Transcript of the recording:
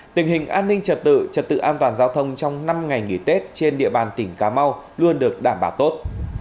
tình hình an ninh trật tự trật tự an toàn giao thông trong năm ngày nghỉ tết trên địa bàn tỉnh cà mau luôn được đảm bảo tốt